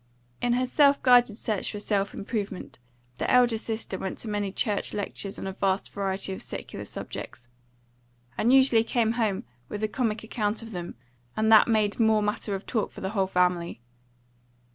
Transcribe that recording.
In her self guided search for self improvement, the elder sister went to many church lectures on a vast variety of secular subjects, and usually came home with a comic account of them, and that made more matter of talk for the whole family.